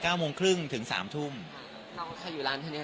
ใครอยู่ร้านแท้เนี้ย